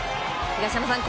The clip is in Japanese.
東山さん！